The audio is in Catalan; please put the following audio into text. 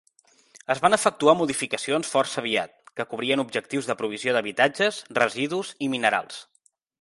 Es van efectuar modificacions força aviat que cobrien objectius de provisió d'habitatges, residus i minerals.